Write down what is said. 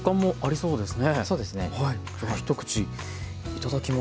そうですね。